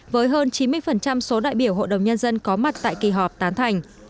với hơn chín mươi số đại biểu hội đồng nhân dân có mặt tại kỳ họp tán thành